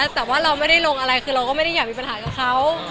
แต่ว่าเราไม่ได้ลงอะไรคือเราก็ไม่ได้อยากมีปัญหากับเขา